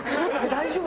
大丈夫。